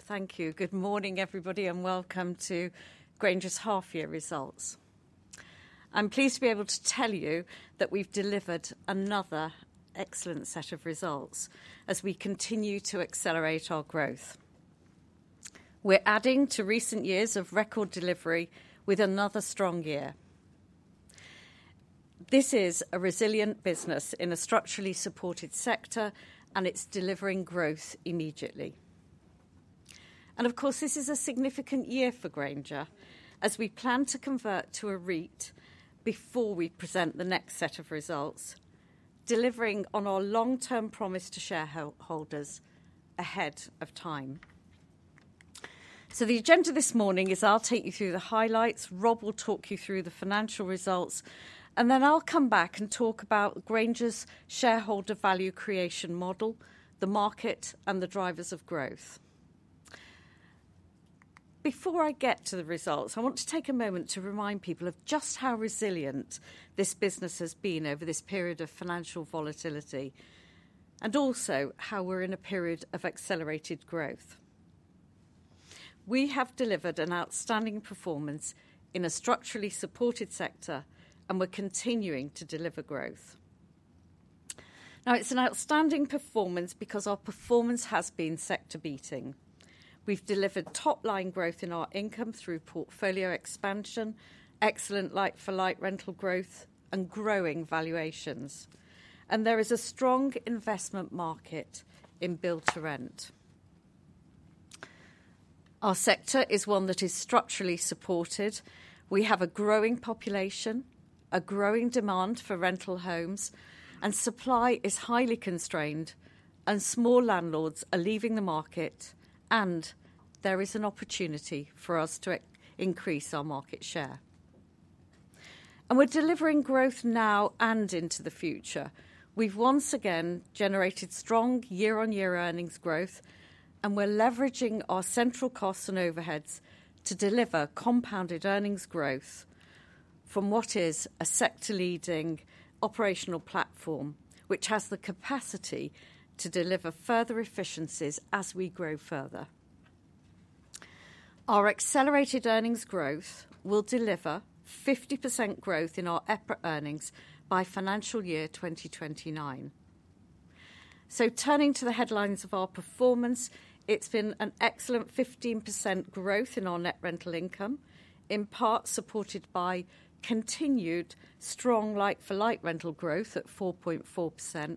Thank you. Good morning, everybody, and welcome to Grainger's half-year results. I'm pleased to be able to tell you that we've delivered another excellent set of results as we continue to accelerate our growth. We're adding to recent years of record delivery with another strong year. This is a resilient business in a structurally supported sector, and it's delivering growth immediately. Of course, this is a significant year for Grainger as we plan to convert to a REIT before we present the next set of results, delivering on our long-term promise to shareholders ahead of time. The agenda this morning is I'll take you through the highlights, Rob will talk you through the financial results, and then I'll come back and talk about Grainger's shareholder value creation model, the market, and the drivers of growth. Before I get to the results, I want to take a moment to remind people of just how resilient this business has been over this period of financial volatility and also how we're in a period of accelerated growth. We have delivered an outstanding performance in a structurally supported sector, and we're continuing to deliver growth. Now, it's an outstanding performance because our performance has been sector-beating. We've delivered top-line growth in our income through portfolio expansion, excellent like-for-like rental growth, and growing valuations. There is a strong investment market in build-to-rent. Our sector is one that is structurally supported. We have a growing population, a growing demand for rental homes, and supply is highly constrained, and small landlords are leaving the market, and there is an opportunity for us to increase our market share. We're delivering growth now and into the future. We've once again generated strong year-on-year earnings growth, and we're leveraging our central costs and overheads to deliver compounded earnings growth from what is a sector-leading operational platform, which has the capacity to deliver further efficiencies as we grow further. Our accelerated earnings growth will deliver 50% growth in our EPRA earnings by financial year 2029. Turning to the headlines of our performance, it's been an excellent 15% growth in our net rental income, in part supported by continued strong like-for-like rental growth at 4.4%.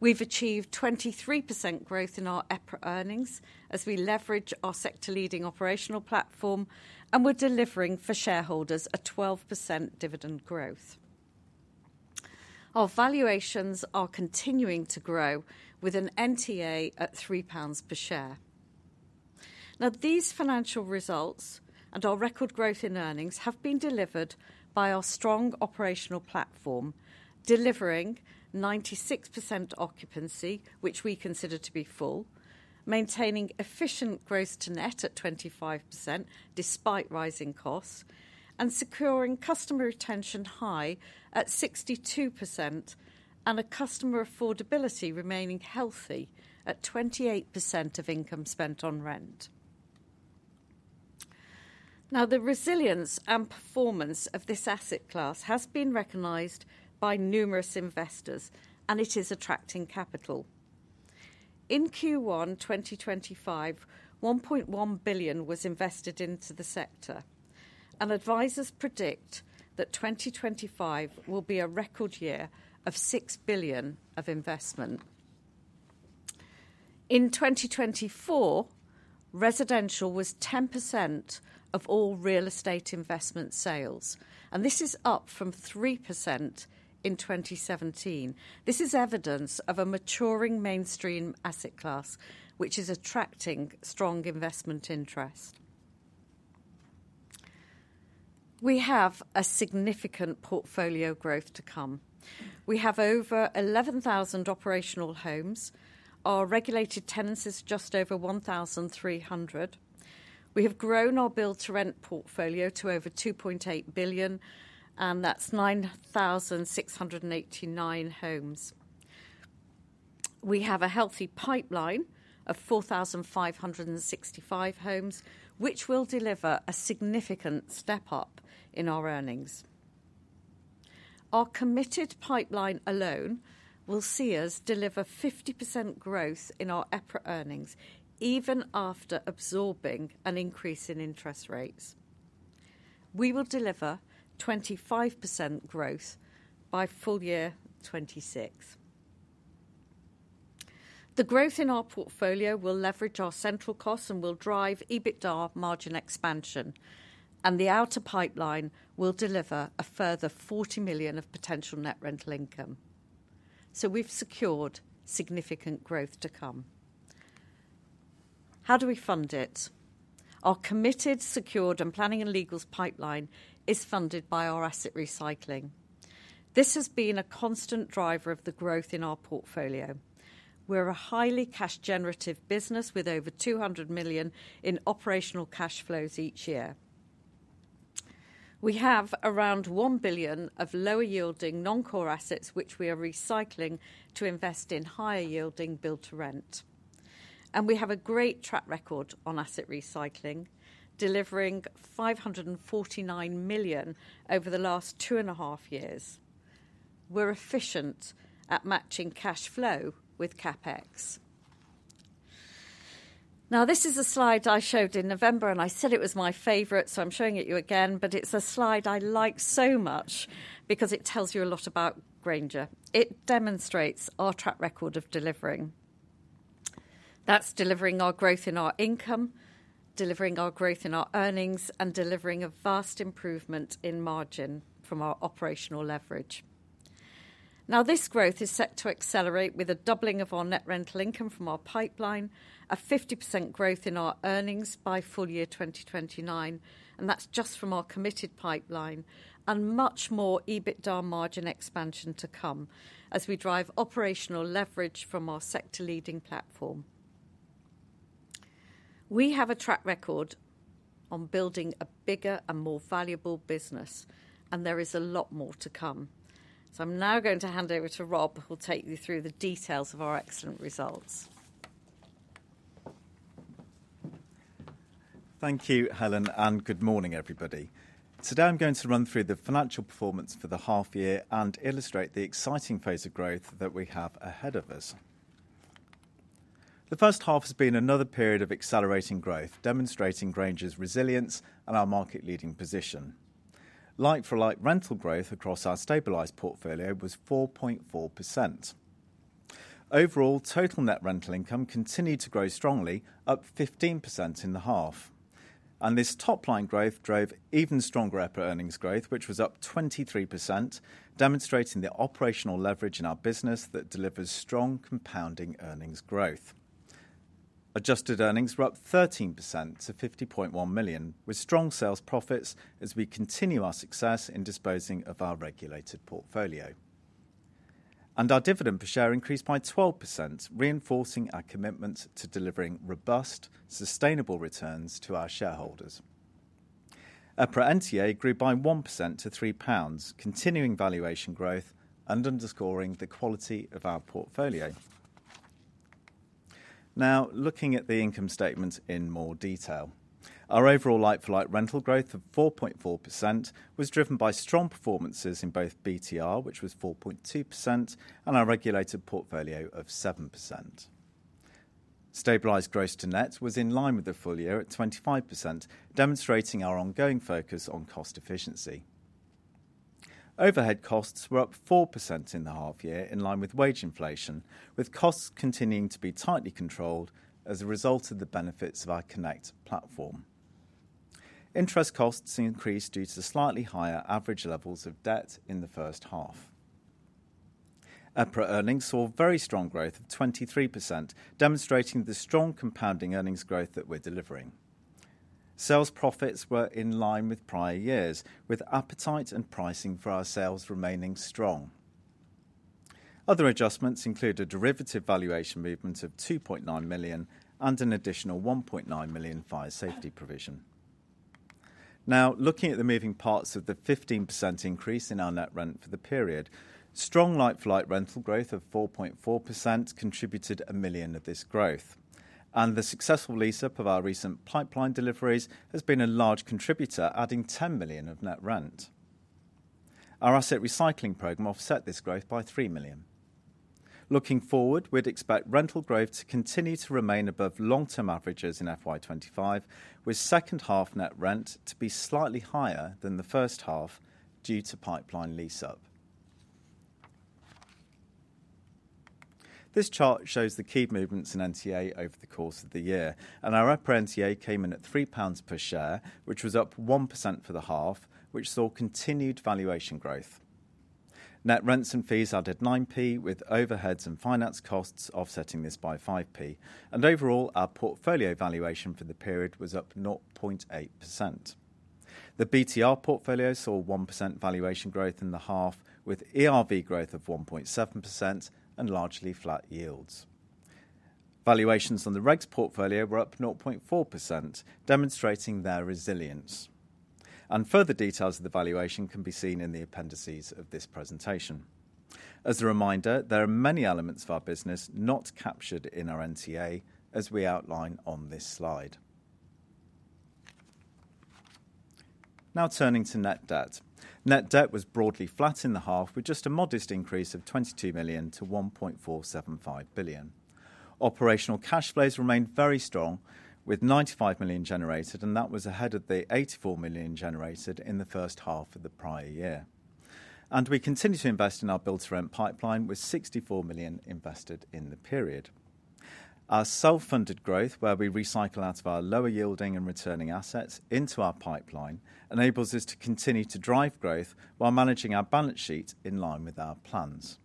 We've achieved 23% growth in our EPRA earnings as we leverage our sector-leading operational platform, and we're delivering for shareholders a 12% dividend growth. Our valuations are continuing to grow with an EPRA NTA at 3 pounds per share. Now, these financial results and our record growth in earnings have been delivered by our strong operational platform, delivering 96% occupancy, which we consider to be full, maintaining efficient gross to net at 25% despite rising costs, and securing customer retention high at 62% and a customer affordability remaining healthy at 28% of income spent on rent. Now, the resilience and performance of this asset class has been recognized by numerous investors, and it is attracting capital. In Q1 2025, 1.1 billion was invested into the sector, and advisors predict that 2025 will be a record year of 6 billion of investment. In 2024, residential was 10% of all real estate investment sales, and this is up from 3% in 2017. This is evidence of a maturing mainstream asset class, which is attracting strong investment interest. We have a significant portfolio growth to come. We have over 11,000 operational homes. Our regulated tenants is just over 1,300. We have grown our build-to-rent portfolio to over 2.8 billion, and that's 9,689 homes. We have a healthy pipeline of 4,565 homes, which will deliver a significant step up in our earnings. Our committed pipeline alone will see us deliver 50% growth in our EPRA earnings, even after absorbing an increase in interest rates. We will deliver 25% growth by full year 2026. The growth in our portfolio will leverage our central costs and will drive EBITDA margin expansion, and the outer pipeline will deliver a further 40 million of potential net rental income. We have secured significant growth to come. How do we fund it? Our committed, secured, and planning and legals pipeline is funded by our asset recycling. This has been a constant driver of the growth in our portfolio. We're a highly cash-generative business with over 200 million in operational cash flows each year. We have around 1 billion of lower-yielding non-core assets, which we are recycling to invest in higher-yielding build-to-rent. We have a great track record on asset recycling, delivering 549 million over the last two and a half years. We're efficient at matching cash flow with CapEx. Now, this is a slide I showed in November, and I said it was my favorite, so I'm showing it to you again, but it's a slide I like so much because it tells you a lot about Grainger. It demonstrates our track record of delivering. That's delivering our growth in our income, delivering our growth in our earnings, and delivering a vast improvement in margin from our operational leverage. Now, this growth is set to accelerate with a doubling of our net rental income from our pipeline, a 50% growth in our earnings by full year 2029, and that's just from our committed pipeline, and much more EBITDA margin expansion to come as we drive operational leverage from our sector-leading platform. We have a track record on building a bigger and more valuable business, and there is a lot more to come. I am now going to hand over to Rob, who'll take you through the details of our excellent results. Thank you, Helen, and good morning, everybody. Today, I'm going to run through the financial performance for the half year and illustrate the exciting phase of growth that we have ahead of us. The first half has been another period of accelerating growth, demonstrating Grainger's resilience and our market-leading position. Like-for-like rental growth across our stabilized portfolio was 4.4%. Overall, total net rental income continued to grow strongly, up 15% in the half. This top-line growth drove even stronger EPRA earnings growth, which was up 23%, demonstrating the operational leverage in our business that delivers strong compounding earnings growth. Adjusted earnings were up 13% to 50.1 million, with strong sales profits as we continue our success in disposing of our regulated portfolio. Our dividend per share increased by 12%, reinforcing our commitment to delivering robust, sustainable returns to our shareholders. EPRA NTA grew by 1% to 3 pounds, continuing valuation growth and underscoring the quality of our portfolio. Now, looking at the income statement in more detail, our overall like-for-like rental growth of 4.4% was driven by strong performances in both BTR, which was 4.2%, and our regulated portfolio of 7%. Stabilized gross to net was in line with the full year at 25%, demonstrating our ongoing focus on cost efficiency. Overhead costs were up 4% in the half year, in line with wage inflation, with costs continuing to be tightly controlled as a result of the benefits of our Connect platform. Interest costs increased due to slightly higher average levels of debt in the first half. EPRA earnings saw very strong growth of 23%, demonstrating the strong compounding earnings growth that we're delivering. Sales profits were in line with prior years, with appetite and pricing for our sales remaining strong. Other adjustments included a derivative valuation movement of 2.9 million and an additional 1.9 million fire safety provision. Now, looking at the moving parts of the 15% increase in our net rent for the period, strong like-for-like rental growth of 4.4% contributed 1 million of this growth. The successful lease-up of our recent pipeline deliveries has been a large contributor, adding 10 million of net rent. Our asset recycling program offset this growth by 3 million. Looking forward, we'd expect rental growth to continue to remain above long-term averages in FY2025, with second half net rent to be slightly higher than the first half due to pipeline lease-up. This chart shows the key movements in NTA over the course of the year, and our EPRA NTA came in at 3 pounds per share, which was up 1% for the half, which saw continued valuation growth. Net rents and fees added 9p, with overheads and finance costs offsetting this by 5p, and overall, our portfolio valuation for the period was up 0.8%. The BTR portfolio saw 1% valuation growth in the half, with ERV growth of 1.7% and largely flat yields. Valuations on the regs portfolio were up 0.4%, demonstrating their resilience. Further details of the valuation can be seen in the appendices of this presentation. As a reminder, there are many elements of our business not captured in our NTA, as we outline on this slide. Now, turning to net debt. Net debt was broadly flat in the half, with just a modest increase of 22 million to 1.475 billion. Operational cash flows remained very strong, with 95 million generated, and that was ahead of the 84 million generated in the first half of the prior year. We continue to invest in our build-to-rent pipeline, with 64 million invested in the period. Our self-funded growth, where we recycle out of our lower-yielding and returning assets into our pipeline, enables us to continue to drive growth while managing our balance sheet in line with our plans.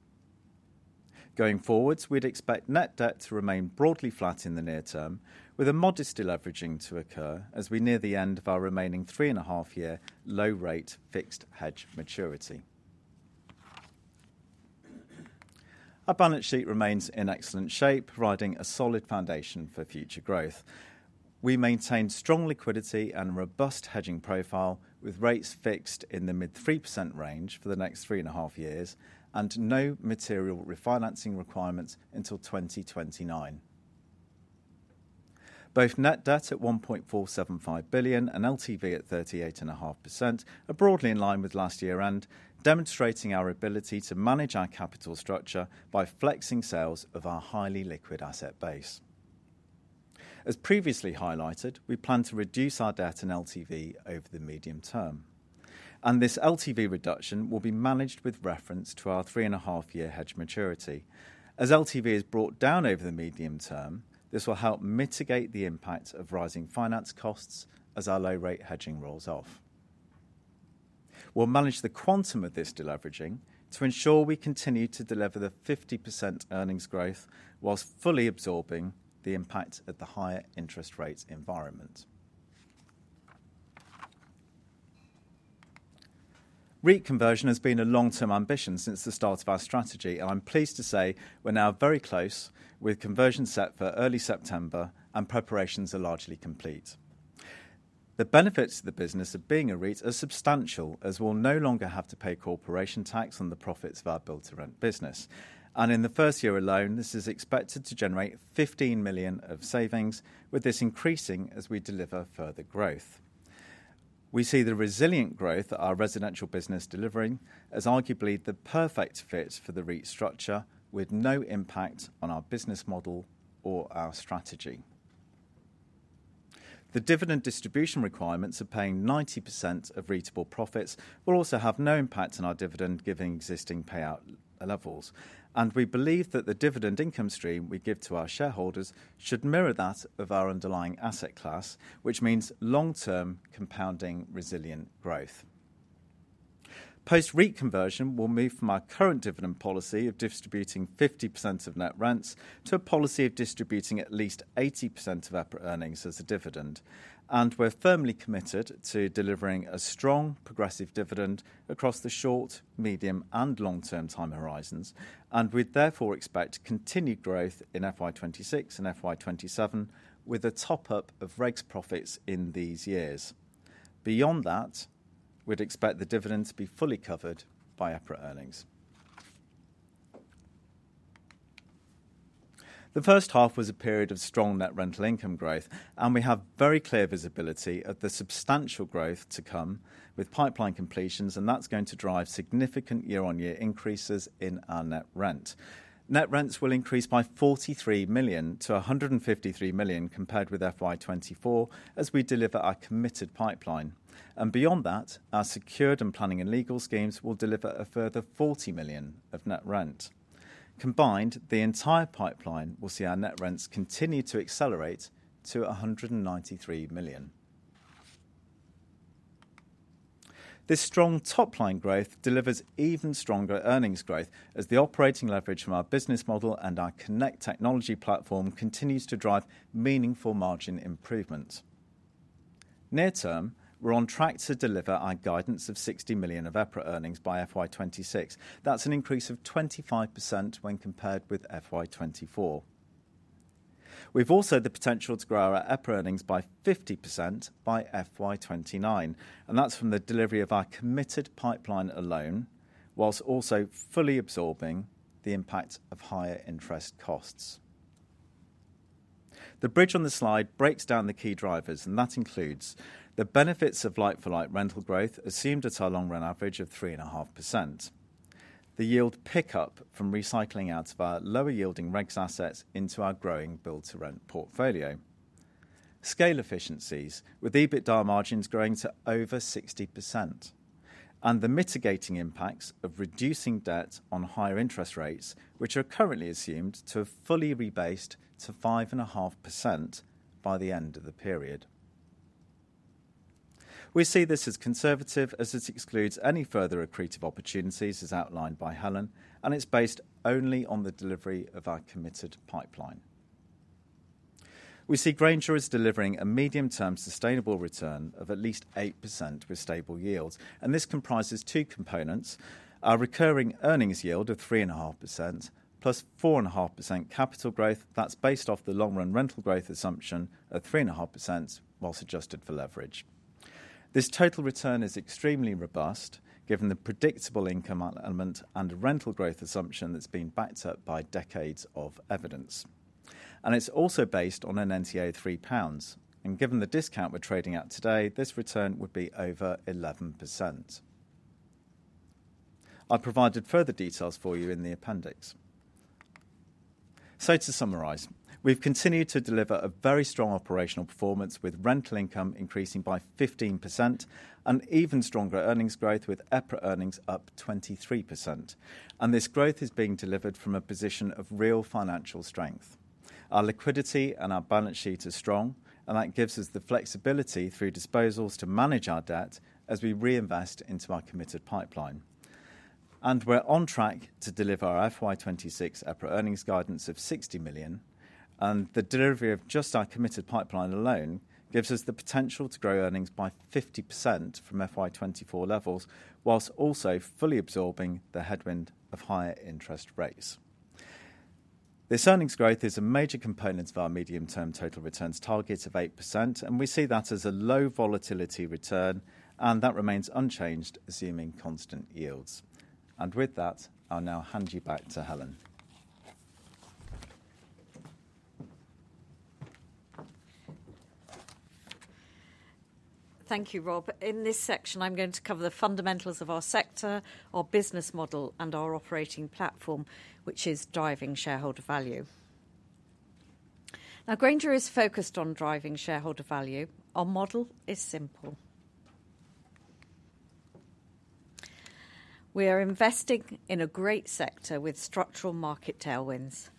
Going forwards, we would expect net debt to remain broadly flat in the near term, with a modest leveraging to occur as we near the end of our remaining three and a half year low-rate fixed hedge maturity. Our balance sheet remains in excellent shape, providing a solid foundation for future growth. We maintain strong liquidity and a robust hedging profile, with rates fixed in the mid 3% range for the next three and a half years and no material refinancing requirements until 2029. Both net debt at 1.475 billion and LTV at 38.5% are broadly in line with last year's end, demonstrating our ability to manage our capital structure by flexing sales of our highly liquid asset base. As previously highlighted, we plan to reduce our debt and LTV over the medium term. This LTV reduction will be managed with reference to our three and a half year hedge maturity. As LTV is brought down over the medium term, this will help mitigate the impact of rising finance costs as our low-rate hedging rolls off. We'll manage the quantum of this deleveraging to ensure we continue to deliver the 50% earnings growth whilst fully absorbing the impact of the higher interest rate environment. REIT conversion has been a long-term ambition since the start of our strategy, and I'm pleased to say we're now very close, with conversion set for early September and preparations are largely complete. The benefits to the business of being a REIT are substantial, as we'll no longer have to pay corporation tax on the profits of our build-to-rent business. In the first year alone, this is expected to generate 15 million of savings, with this increasing as we deliver further growth. We see the resilient growth that our residential business is delivering as arguably the perfect fit for the REIT structure, with no impact on our business model or our strategy. The dividend distribution requirements of paying 90% of REITable profits will also have no impact on our dividend-giving existing payout levels. We believe that the dividend income stream we give to our shareholders should mirror that of our underlying asset class, which means long-term compounding resilient growth. Post-REIT conversion, we will move from our current dividend policy of distributing 50% of net rents to a policy of distributing at least 80% of EPRA earnings as a dividend. We are firmly committed to delivering a strong, progressive dividend across the short, medium, and long-term time horizons, and we therefore expect continued growth in 2026 and 2027, with a top-up of Reg's profits in these years. Beyond that, we would expect the dividend to be fully covered by EPRA earnings. The first half was a period of strong net rental income growth, and we have very clear visibility of the substantial growth to come with pipeline completions, and that is going to drive significant year-on-year increases in our net rent. Net rents will increase by 43 million to 153 million compared with FY 2024 as we deliver our committed pipeline. Beyond that, our secured and planning and legal schemes will deliver a further 40 million of net rent. Combined, the entire pipeline will see our net rents continue to accelerate to GBP 193 million. This strong top-line growth delivers even stronger earnings growth as the operating leverage from our business model and our Connect technology platform continues to drive meaningful margin improvements. Near term, we're on track to deliver our guidance of 60 million of EPRA earnings by FY 2026. That's an increase of 25% when compared with FY 2024. We've also the potential to grow our EPRA earnings by 50% by FY 2029, and that's from the delivery of our committed pipeline alone, whilst also fully absorbing the impact of higher interest costs. The bridge on the slide breaks down the key drivers, and that includes the benefits of like-for-like rental growth assumed at our long-run average of 3.5%, the yield pickup from recycling out of our lower-yielding regulated assets into our growing build-to-rent portfolio, scale efficiencies with EBITDA margins growing to over 60%, and the mitigating impacts of reducing debt on higher interest rates, which are currently assumed to have fully rebased to 5.5% by the end of the period. We see this as conservative as it excludes any further accretive opportunities, as outlined by Helen, and it's based only on the delivery of our committed pipeline. We see Grainger is delivering a medium-term sustainable return of at least 8% with stable yields, and this comprises two components: our recurring earnings yield of 3.5% plus 4.5% capital growth that's based off the long-run rental growth assumption of 3.5% whilst adjusted for leverage. This total return is extremely robust, given the predictable income element and rental growth assumption that's been backed up by decades of evidence. It is also based on an NTA of 3 pounds. Given the discount we're trading at today, this return would be over 11%. I've provided further details for you in the appendix. To summarize, we've continued to deliver a very strong operational performance, with rental income increasing by 15% and even stronger earnings growth, with EPRA earnings up 23%. This growth is being delivered from a position of real financial strength. Our liquidity and our balance sheet are strong, and that gives us the flexibility through disposals to manage our debt as we reinvest into our committed pipeline. We're on track to deliver our FY2026 EPRA earnings guidance of 60 million. The delivery of just our committed pipeline alone gives us the potential to grow earnings by 50% from FY2024 levels, whilst also fully absorbing the headwind of higher interest rates. This earnings growth is a major component of our medium-term total returns target of 8%, and we see that as a low volatility return, and that remains unchanged, assuming constant yields. With that, I'll now hand you back to Helen. Thank you, Rob. In this section, I'm going to cover the fundamentals of our sector, our business model, and our operating platform, which is driving shareholder value. Now, Grainger is focused on driving shareholder value. Our model is simple. We are investing in a great sector with structural market tailwinds.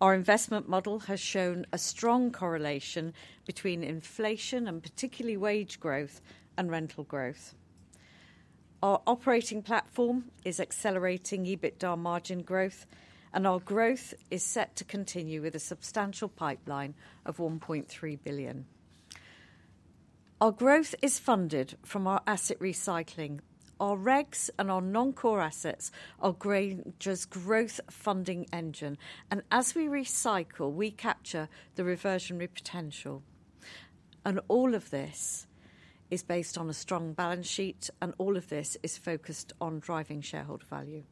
Our investment model has shown a strong correlation between inflation and particularly wage growth and rental growth. Our operating platform is accelerating EBITDA margin growth, and our growth is set to continue with a substantial pipeline of 1.3 billion. Our growth is funded from our asset recycling. Our regs and our non-core assets are Grainger's growth funding engine. As we recycle, we capture the reversionary potential. All of this is based on a strong balance sheet, and all of this is focused on driving shareholder value.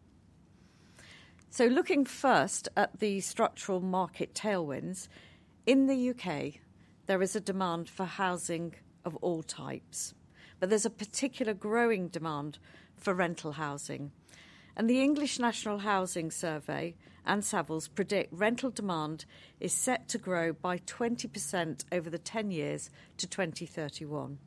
Looking first at the structural market tailwinds, in the U.K., there is a demand for housing of all types, but there is a particular growing demand for rental housing. The English National Housing Survey and Savills predict rental demand is set to grow by 20% over the 10 years to 2031.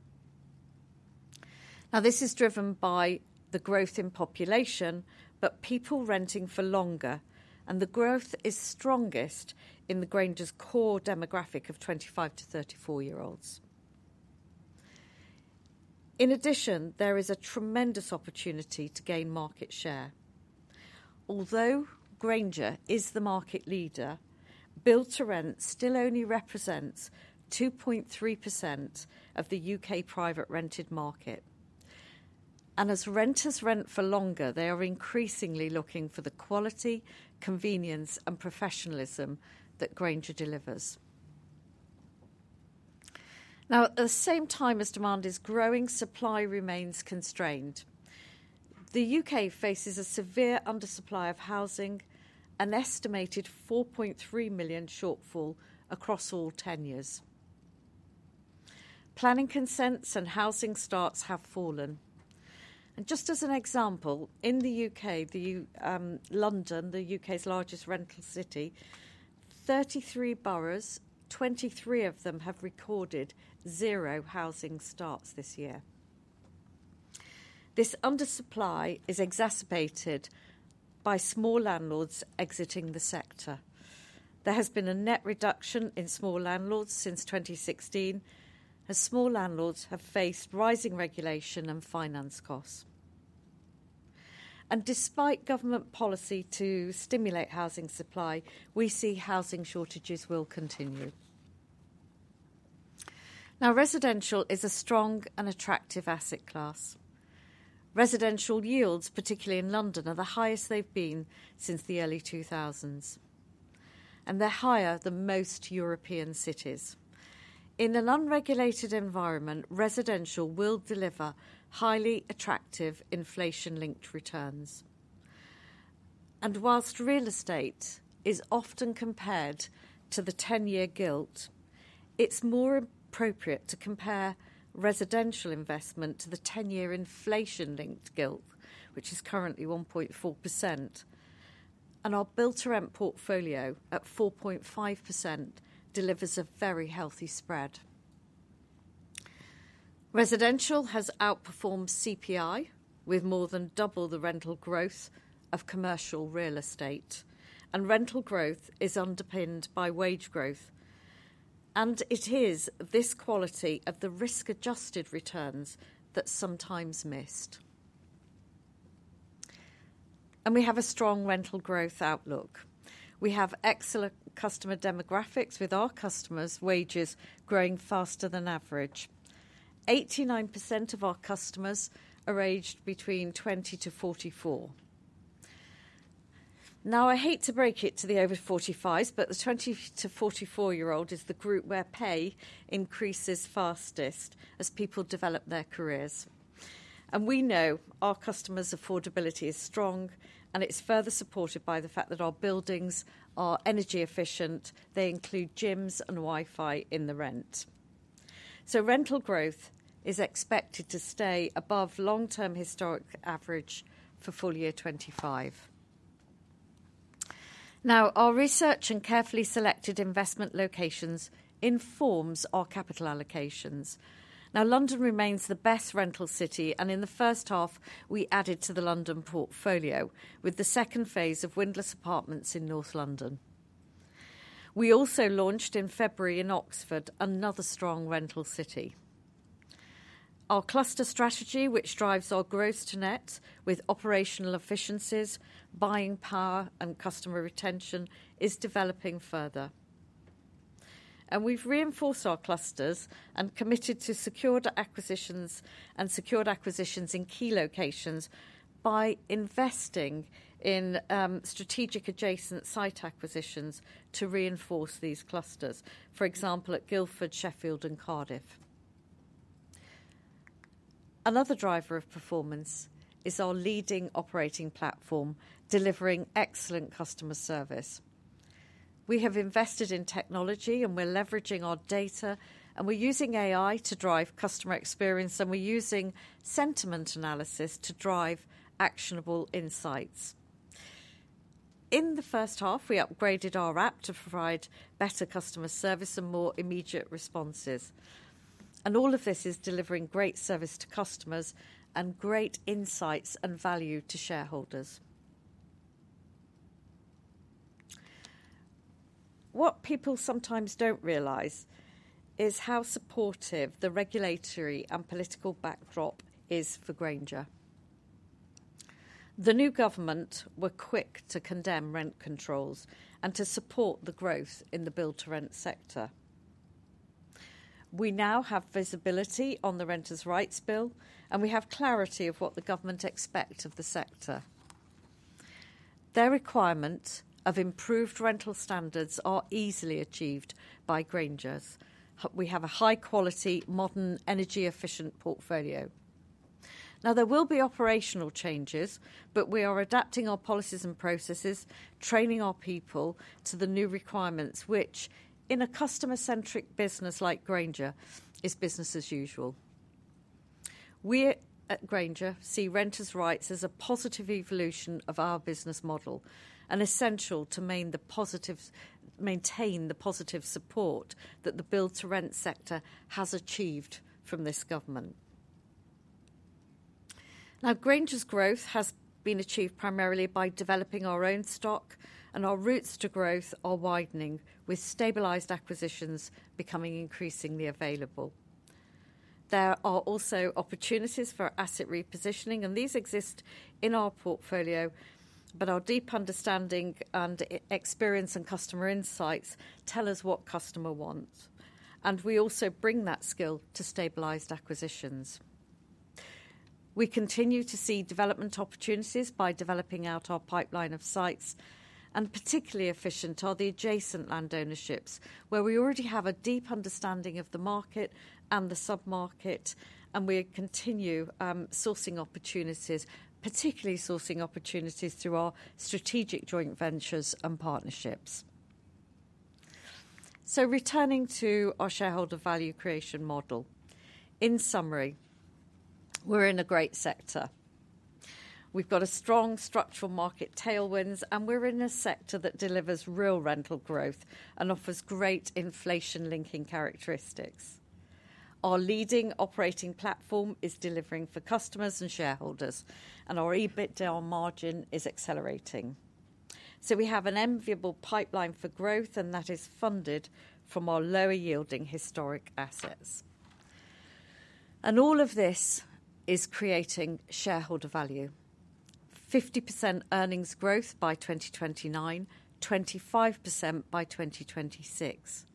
Now, this is driven by the growth in population, but people renting for longer, and the growth is strongest in Grainger's core demographic of 25-34-year-olds. In addition, there is a tremendous opportunity to gain market share. Although Grainger is the market leader, build-to-rent still only represents 2.3% of the U.K. private rented market. As renters rent for longer, they are increasingly looking for the quality, convenience, and professionalism that Grainger delivers. At the same time as demand is growing, supply remains constrained. The U.K. faces a severe undersupply of housing, an estimated 4.3 million shortfall across all tenures. Planning consents and housing starts have fallen. Just as an example, in the U.K., London, the U.K.'s largest rental city, 33 boroughs, 23 of them have recorded zero housing starts this year. This undersupply is exacerbated by small landlords exiting the sector. There has been a net reduction in small landlords since 2016, as small landlords have faced rising regulation and finance costs. Despite government policy to stimulate housing supply, we see housing shortages will continue. Now, residential is a strong and attractive asset class. Residential yields, particularly in London, are the highest they've been since the early 2000s, and they're higher than most European cities. In an unregulated environment, residential will deliver highly attractive inflation-linked returns. Whilst real estate is often compared to the 10-year gilt, it's more appropriate to compare residential investment to the 10-year inflation-linked gilt, which is currently 1.4%. Our build-to-rent portfolio at 4.5% delivers a very healthy spread. Residential has outperformed CPI with more than double the rental growth of commercial real estate, and rental growth is underpinned by wage growth. It is this quality of the risk-adjusted returns that's sometimes missed. We have a strong rental growth outlook. We have excellent customer demographics with our customers' wages growing faster than average. 89% of our customers are aged between 20 to 44. I hate to break it to the over 45s, but the 20 to 44-year-old is the group where pay increases fastest as people develop their careers. We know our customers' affordability is strong, and it is further supported by the fact that our buildings are energy efficient. They include gyms and Wi-Fi in the rent. Rental growth is expected to stay above the long-term historic average for full year 2025. Our research and carefully selected investment locations inform our capital allocations. London remains the best rental city, and in the first half, we added to the London portfolio with the second phase of Windlass Apartments in North London. We also launched in February in Oxford, another strong rental city. Our cluster strategy, which drives our gross to net with operational efficiencies, buying power, and customer retention, is developing further. We have reinforced our clusters and committed to secured acquisitions in key locations by investing in strategic adjacent site acquisitions to reinforce these clusters, for example, at Guildford, Sheffield, and Cardiff. Another driver of performance is our leading operating platform delivering excellent customer service. We have invested in technology, and we are leveraging our data, and we are using AI to drive customer experience, and we are using sentiment analysis to drive actionable insights. In the first half, we upgraded our app to provide better customer service and more immediate responses. All of this is delivering great service to customers and great insights and value to shareholders. What people sometimes do not realize is how supportive the regulatory and political backdrop is for Grainger. The new government were quick to condemn rent controls and to support the growth in the build-to-rent sector. We now have visibility on the renters' rights bill, and we have clarity of what the government expects of the sector. Their requirements of improved rental standards are easily achieved by Grainger. We have a high-quality, modern, energy-efficient portfolio. Now, there will be operational changes, but we are adapting our policies and processes, training our people to the new requirements, which in a customer-centric business like Grainger is business as usual. We at Grainger see renters' rights as a positive evolution of our business model and essential to maintain the positive support that the build-to-rent sector has achieved from this government. Now, Grainger's growth has been achieved primarily by developing our own stock, and our routes to growth are widening with stabilised acquisitions becoming increasingly available. There are also opportunities for asset repositioning, and these exist in our portfolio, but our deep understanding and experience and customer insights tell us what customer wants. We also bring that skill to stabilised acquisitions. We continue to see development opportunities by developing out our pipeline of sites, and particularly efficient are the adjacent land ownerships where we already have a deep understanding of the market and the sub-market. We continue sourcing opportunities, particularly sourcing opportunities through our strategic joint ventures and partnerships. Returning to our shareholder value creation model, in summary, we're in a great sector. We've got strong structural market tailwinds, and we're in a sector that delivers real rental growth and offers great inflation-linking characteristics. Our leading operating platform is delivering for customers and shareholders, and our EBITDA margin is accelerating. We have an enviable pipeline for growth, and that is funded from our lower-yielding historic assets. All of this is creating shareholder value: 50% earnings growth by 2029, 25% by 2026,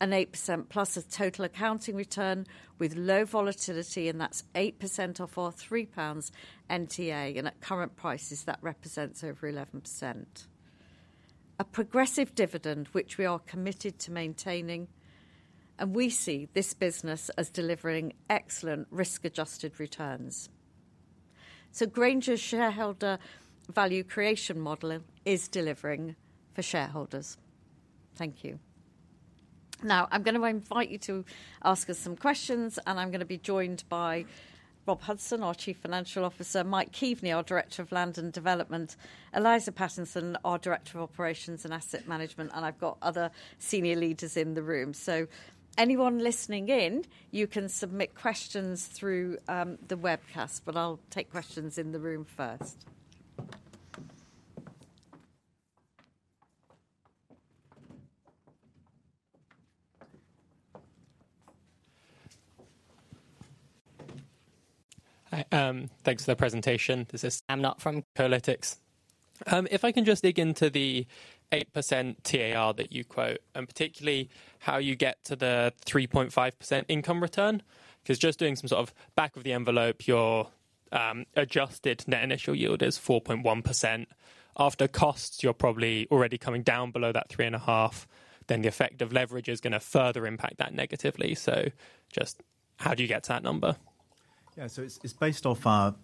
and 8% plus a total accounting return with low volatility, and that is 8% off our 3 pounds NTA, and at current prices, that represents over 11%. A progressive dividend, which we are committed to maintaining, and we see this business as delivering excellent risk-adjusted returns. Grainger's shareholder value creation model is delivering for shareholders. Thank you. Now, I'm going to invite you to ask us some questions, and I'm going to be joined by Rob Hudson, our Chief Financial Officer, Mike Keaveney, our Director of Land and Development, Eliza Pattinson, our Director of Operations and Asset Management, and I've got other senior leaders in the room. Anyone listening in, you can submit questions through the webcast, but I'll take questions in the room first. Thanks for the presentation. This is Sam Knott from Kolytics. If I can just dig into the 8% TAR that you quote, and particularly how you get to the 3.5% income return, because just doing some sort of back-of-the-envelope, your adjusted net initial yield is 4.1%. After costs, you're probably already coming down below that 3.5. Then the effect of leverage is going to further impact that negatively. Just how do you get to that number? Yeah, so it's based off our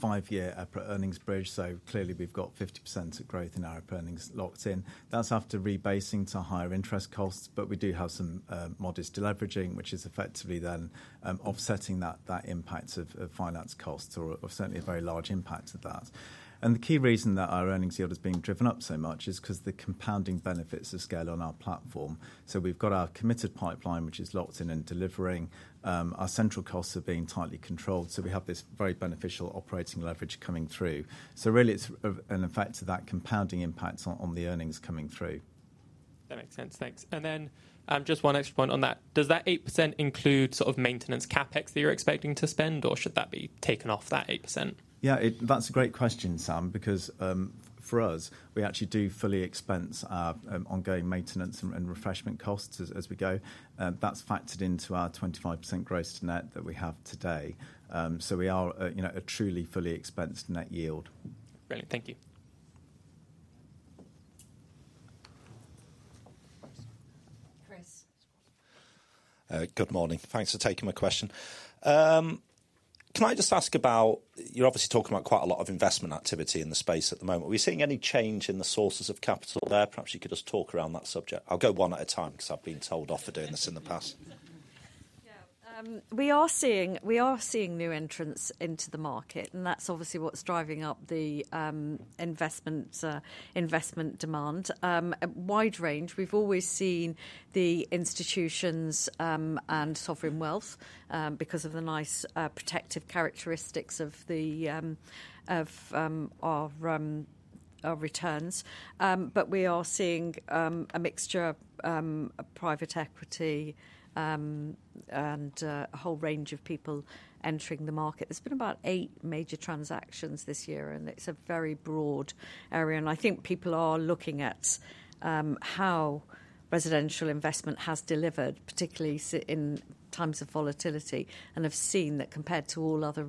five-year earnings bridge. Clearly, we've got 50% growth in our earnings locked in. That's after rebasing to higher interest costs, but we do have some modest leveraging, which is effectively then offsetting that impact of finance costs or certainly a very large impact of that. The key reason that our earnings yield has been driven up so much is because the compounding benefits of scale on our platform. We've got our committed pipeline, which is locked in and delivering. Our central costs are being tightly controlled. We have this very beneficial operating leverage coming through. Really, it's an effect of that compounding impact on the earnings coming through. That makes sense. Thanks. Then just one extra point on that. Does that 8% include sort of maintenance CapEx that you're expecting to spend, or should that be taken off that 8%? Yeah, that's a great question, Sam, because for us, we actually do fully expense our ongoing maintenance and refreshment costs as we go. That's factored into our 25% gross to net that we have today. We are a truly fully expensed net yield. Brilliant. Thank you. Chris. Good morning. Thanks for taking my question. Can I just ask about, you're obviously talking about quite a lot of investment activity in the space at the moment. Are we seeing any change in the sources of capital there? Perhaps you could just talk around that subject. I'll go one at a time because I've been told off for doing this in the past. Yeah, we are seeing new entrants into the market, and that's obviously what's driving up the investment demand. Wide range. We've always seen the institutions and sovereign wealth because of the nice protective characteristics of our returns. But we are seeing a mixture of private equity and a whole range of people entering the market. There's been about eight major transactions this year, and it's a very broad area. I think people are looking at how residential investment has delivered, particularly in times of volatility, and have seen that compared to all other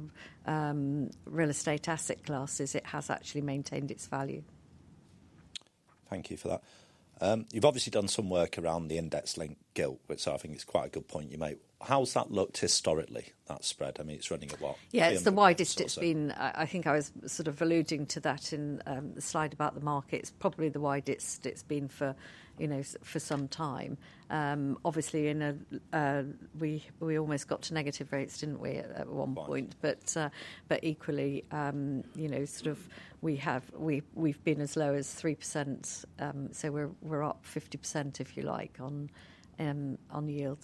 real estate asset classes, it has actually maintained its value. Thank you for that. You've obviously done some work around the index linked gilt, which I think is quite a good point you made. How's that looked historically, that spread? I mean, it's running a while. Yeah, it's the widest it's been. I think I was sort of alluding to that in the slide about the market. It's probably the widest it's been for some time. Obviously, we almost got to negative rates, didn't we, at one point? But equally, sort of we've been as low as 3%. So we're up 50%, if you like, on yield.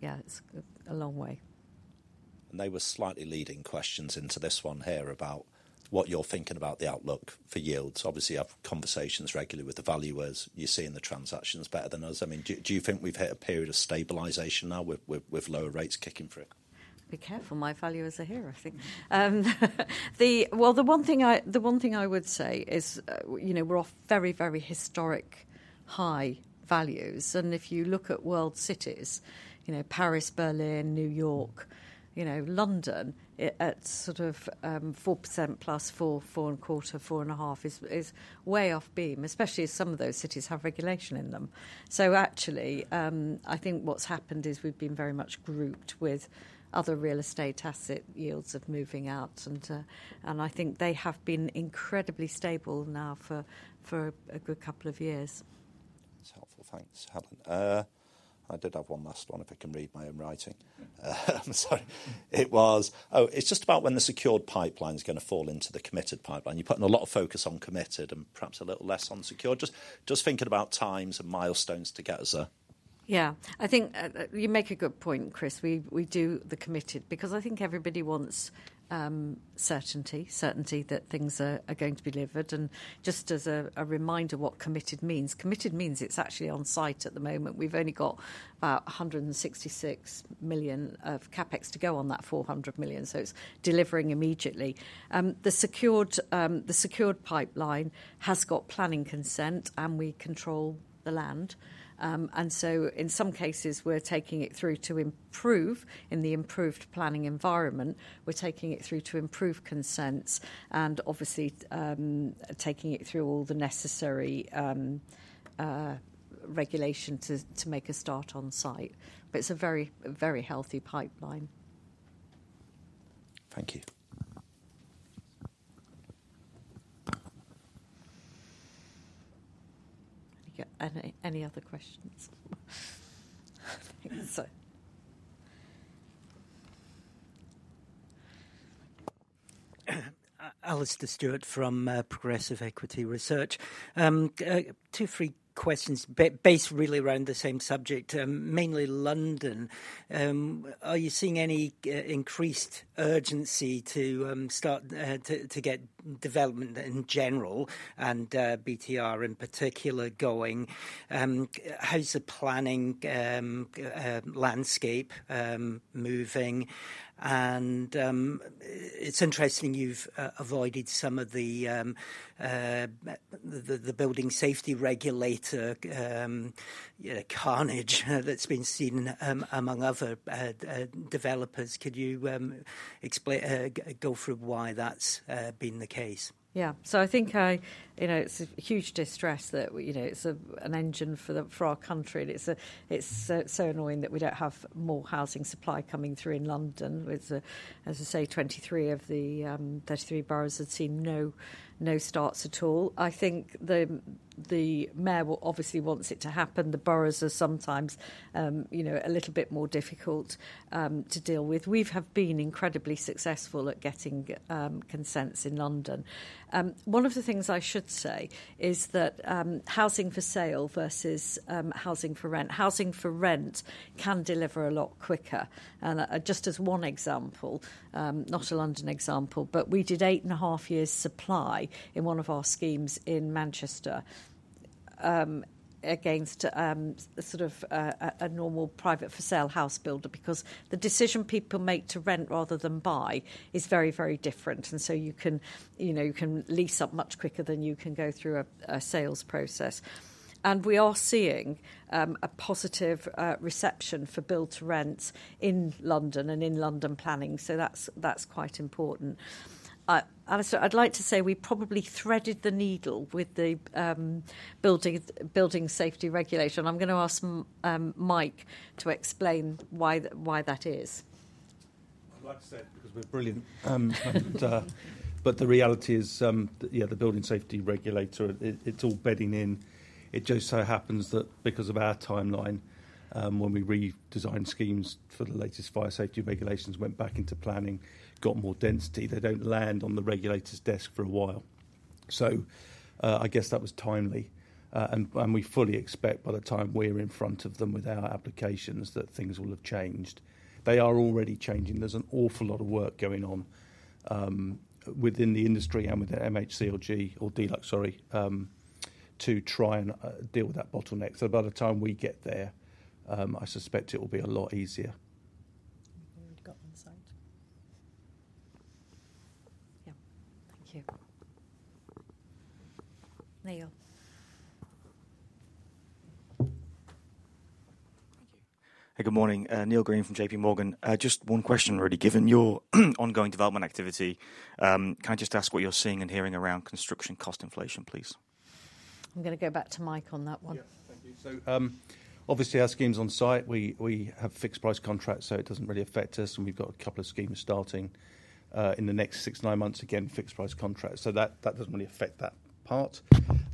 Yeah, it's a long way. They were slightly leading questions into this one here about what you're thinking about the outlook for yields. Obviously, I have conversations regularly with the valuers. You're seeing the transactions better than others. I mean, do you think we've hit a period of stabilisation now with lower rates kicking through? Be careful. My valuers are here, I think. The one thing I would say is we're off very, very historic high values. If you look at world cities, Paris, Berlin, New York, London, at sort of 4% plus 4, 4.25%, 4.5% is way off beam, especially as some of those cities have regulation in them. Actually, I think what's happened is we've been very much grouped with other real estate asset yields of moving out. I think they have been incredibly stable now for a good couple of years. That's helpful. Thanks, Helen. I did have one last one if I can read my own writing. I'm sorry. It was, oh, it's just about when the secured pipeline is going to fall into the committed pipeline. You've put in a lot of focus on committed and perhaps a little less on secured. Just thinking about times and milestones to get us there. Yeah, I think you make a good point, Chris. We do the committed because I think everybody wants certainty, certainty that things are going to be delivered. Just as a reminder of what committed means, committed means it's actually on site at the moment. We've only got about 166 million of CapEx to go on that 400 million. It's delivering immediately. The secured pipeline has got planning consent, and we control the land. In some cases, we're taking it through to improve in the improved planning environment. We're taking it through to improve consents and obviously taking it through all the necessary regulation to make a start on site. It's a very, very healthy pipeline. Thank you. Any other questions? Alastair Stewart from Progressive Equity Research. Two, three questions based really around the same subject, mainly London. Are you seeing any increased urgency to start to get development in general and BTR in particular going? How's the planning landscape moving? It's interesting you've avoided some of the building safety regulator carnage that's been seen among other developers. Could you go through why that's been the case? Yeah, I think it's a huge distress that it's an engine for our country. It's so annoying that we don't have more housing supply coming through in London. As I say, 23 of the 33 boroughs had seen no starts at all. I think the mayor obviously wants it to happen. The boroughs are sometimes a little bit more difficult to deal with. We have been incredibly successful at getting consents in London. One of the things I should say is that housing for sale versus housing for rent, housing for rent can deliver a lot quicker. Just as one example, not a London example, but we did eight and a half years' supply in one of our schemes in Manchester against sort of a normal private for sale house builder because the decision people make to rent rather than buy is very, very different. You can lease up much quicker than you can go through a sales process. We are seeing a positive reception for build-to-rent in London and in London planning. That is quite important. Alistair, I'd like to say we probably threaded the needle with the building safety regulation. I'm going to ask Mike to explain why that is. I'd like to say it because we're brilliant. The reality is, yeah, the building safety regulator, it's all bedding in. It just so happens that because of our timeline, when we redesigned schemes for the latest fire safety regulations, went back into planning, got more density, they do not land on the regulator's desk for a while. I guess that was timely. We fully expect by the time we are in front of them with our applications that things will have changed. They are already changing. There is an awful lot of work going on within the industry and with the MHCLG, sorry, to try and deal with that bottleneck. By the time we get there, I suspect it will be a lot easier. We have got one side. Yeah, thank you. Neil. Thank you. Hey, good morning. Neil Green from JPMorgan. Just one question really. Given your ongoing development activity, can I just ask what you are seeing and hearing around construction cost inflation, please? I'm going to go back to Mike on that one. Yes, thank you. Obviously, our schemes on site, we have fixed price contracts, so it does not really affect us. We have a couple of schemes starting in the next six to nine months, again, fixed price contracts. That does not really affect that part.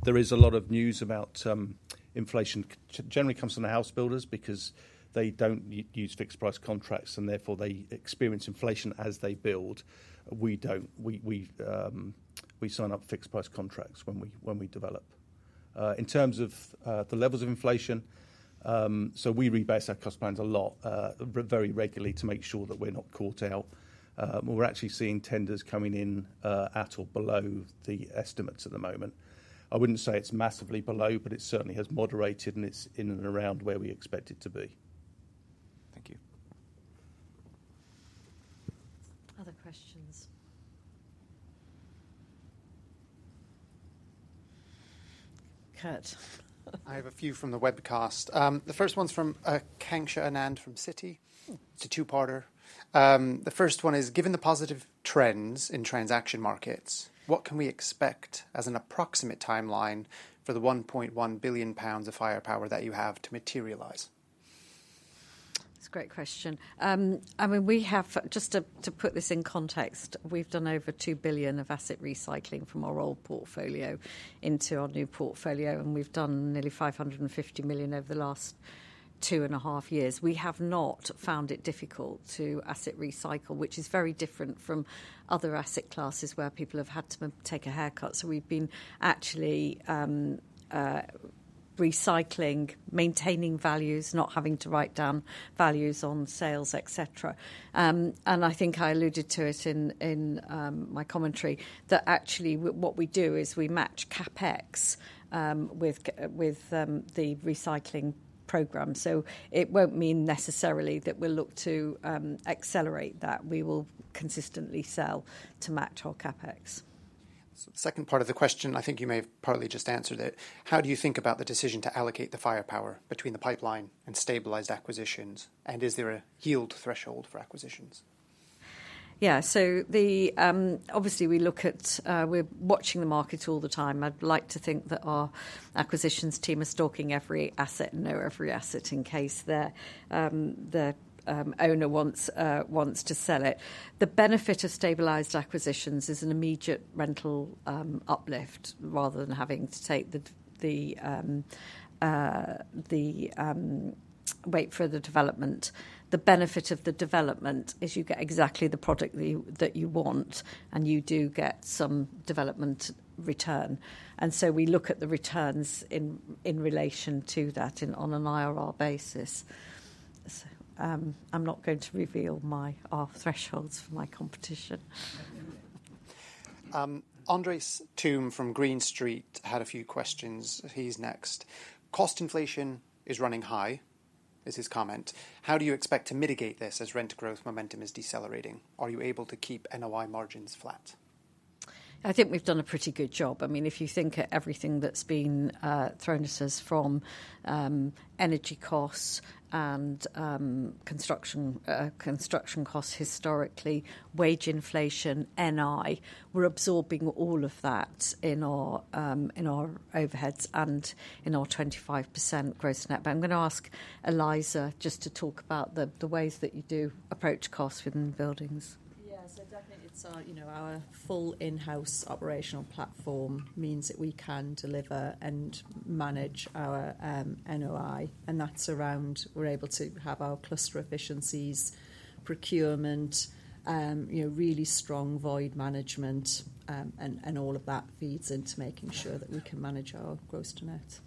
There is a lot of news about inflation generally comes from the house builders because they do not use fixed price contracts, and therefore they experience inflation as they build. We sign up fixed price contracts when we develop. In terms of the levels of inflation, we rebase our cost plans a lot very regularly to make sure that we are not caught out. We are actually seeing tenders coming in at or below the estimates at the moment. I would not say it is massively below, but it certainly has moderated, and it is in and around where we expect it to be. Thank you. Other questions? Kurt. I have a few from the webcast. The first one is from Aakanksha Anand from Citi. It is a two-parter. The first one is, given the positive trends in transaction markets, what can we expect as an approximate timeline for the 1.1 billion pounds of firepower that you have to materialize? It is a great question. I mean, we have, just to put this in context, we have done over 2 billion of asset recycling from our old portfolio into our new portfolio, and we have done nearly 550 million over the last two and a half years. We have not found it difficult to asset recycle, which is very different from other asset classes where people have had to take a haircut. We have been actually recycling, maintaining values, not having to write down values on sales, etc. I think I alluded to it in my commentary that what we do is we match CapEx with the recycling program. It will not mean necessarily that we will look to accelerate that. We will consistently sell to match our CapEx. Second part of the question, I think you may have probably just answered it. How do you think about the decision to allocate the firepower between the pipeline and stabilised acquisitions? Is there a yield threshold for acquisitions? Yeah, obviously we look at, we are watching the market all the time. I would like to think that our acquisitions team are stalking every asset and know every asset in case the owner wants to sell it. The benefit of stabilised acquisitions is an immediate rental uplift rather than having to take the wait for the development. The benefit of the development is you get exactly the product that you want, and you do get some development return. We look at the returns in relation to that on an IRR basis. I'm not going to reveal my thresholds for my competition. Andres Toome from Green Street had a few questions. He's next. Cost inflation is running high, is his comment. How do you expect to mitigate this as rent growth momentum is decelerating? Are you able to keep NOI margins flat? I think we've done a pretty good job. I mean, if you think at everything that's been thrown at us from energy costs and construction costs historically, wage inflation, NI, we're absorbing all of that in our overheads and in our 25% gross net. I'm going to ask Eliza just to talk about the ways that you do approach costs within the buildings. Yeah, so definitely it's our full in-house operational platform means that we can deliver and manage our NOI. That's around we're able to have our cluster efficiencies, procurement, really strong void management, and all of that feeds into making sure that we can manage our gross to net.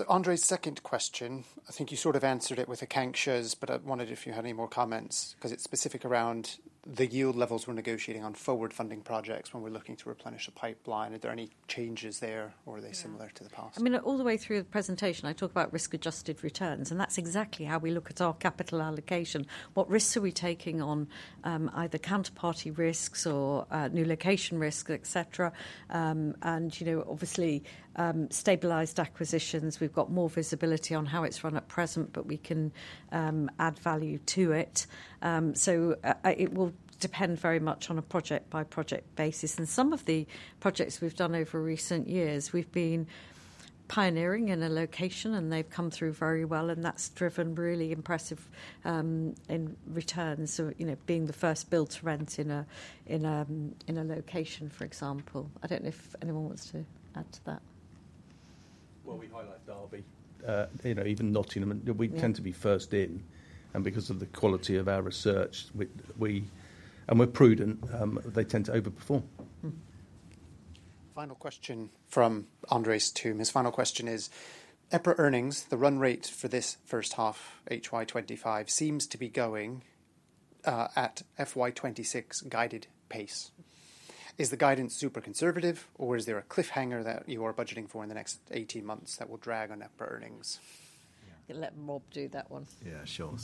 Andre's second question, I think you sort of answered it with the Aakanksha's, but I wondered if you had any more comments because it's specific around the yield levels we're negotiating on forward funding projects when we're looking to replenish a pipeline. Are there any changes there, or are they similar to the past? I mean, all the way through the presentation, I talk about risk-adjusted returns, and that's exactly how we look at our capital allocation. What risks are we taking on, either counterparty risks or new location risks, etc.? Obviously, stabilised acquisitions, we've got more visibility on how it's run at present, but we can add value to it. It will depend very much on a project-by-project basis. Some of the projects we've done over recent years, we've been pioneering in a location, and they've come through very well. That's driven really impressive returns, being the first build-to-rent in a location, for example. I don't know if anyone wants to add to that. We highlight Darby even not in them. We tend to be first in. Because of the quality of our research, and we're prudent, they tend to overperform. Final question from Andres Toome. His final question is, EPRA earnings, the run rate for this first half, HY2025, seems to be going at FY2026 guided pace. Is the guidance super conservative, or is there a cliffhanger that you are budgeting for in the next 18 months that will drag on EPRA earnings? Let Rob do that one. Yeah, sure.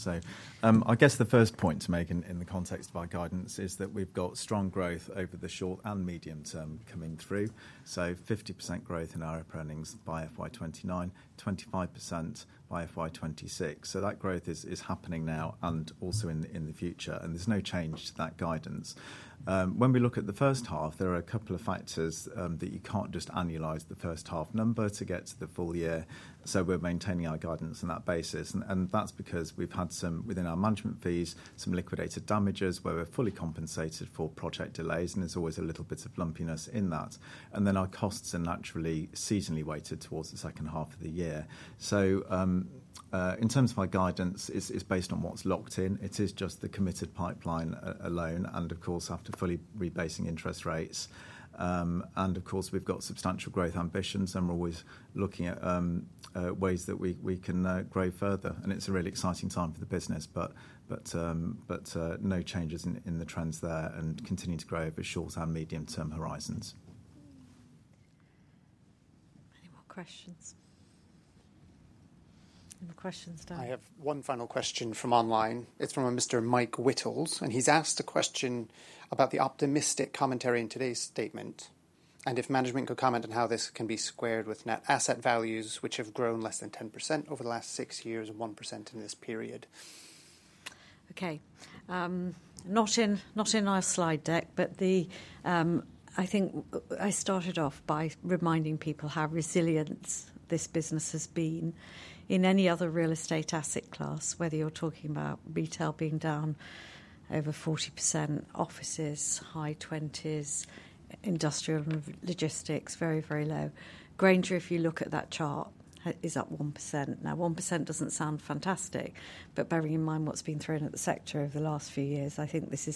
I guess the first point to make in the context of our guidance is that we have got strong growth over the short and medium term coming through. 50% growth in our EPRA earnings by FY2029, 25% by FY2026. That growth is happening now and also in the future. There is no change to that guidance. When we look at the first half, there are a couple of factors that you cannot just annualize the first half number to get to the full year. We are maintaining our guidance on that basis. That is because we have had some within our management fees, some liquidated damages where we are fully compensated for project delays. There is always a little bit of lumpiness in that. Our costs are naturally seasonally weighted towards the second half of the year. In terms of my guidance, it is based on what is locked in. It is just the committed pipeline alone. Of course, after fully rebasing interest rates. We have substantial growth ambitions, and we are always looking at ways that we can grow further. It is a really exciting time for the business, but no changes in the trends there and continuing to grow over short and medium term horizons. Any more questions? Any questions, Dan? I have one final question from online. It is from a Mr. Mike Whittles. He has asked a question about the optimistic commentary in today's statement and if management could comment on how this can be squared with net asset values, which have grown less than 10% over the last six years and 1% in this period. Not in our slide deck, but I think I started off by reminding people how resilient this business has been in any other real estate asset class, whether you are talking about retail being down over 40%, offices, high 20s, industrial logistics, very, very low. Grainger, if you look at that chart, is up 1%. Now, 1% does not sound fantastic, but bearing in mind what has been thrown at the sector over the last few years, I think this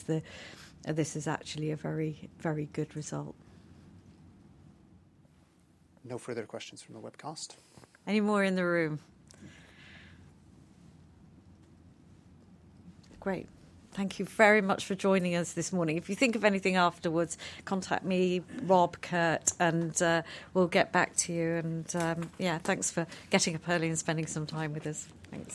is actually a very, very good result. No further questions from the webcast. Any more in the room? Great. Thank you very much for joining us this morning. If you think of anything afterwards, contact me, Rob, Kurt, and we'll get back to you. Yeah, thanks for getting up early and spending some time with us. Thanks.